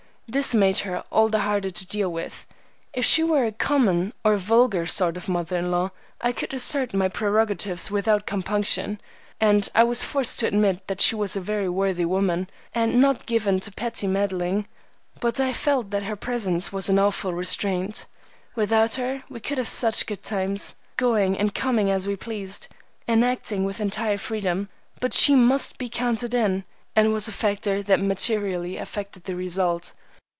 This made her all the harder to deal with. If she were a common or vulgar sort of mother in law, I could assert my prerogatives without compunction; and I was forced to admit that she was a very worthy woman, and not given to petty meddling, but I felt that her presence was an awful restraint. Without her we could have such good times, going and coming as we pleased, and acting with entire freedom; but she must be counted in, and was a factor that materially affected the result.